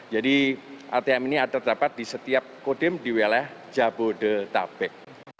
jadi atm ini terdapat di setiap kodim diwilayah jabodetabek